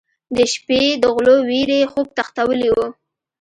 د شپې د غلو وېرې خوب تښتولی و.